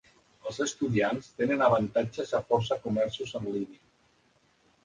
Els estudiants tenen avantatges a força comerços en línia.